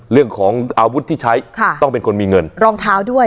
เรื่องของอาวุธที่ใช้ค่ะต้องเป็นคนมีเงินรองเท้าด้วย